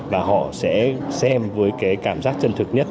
và họ sẽ xem với cảm giác chân thực nhất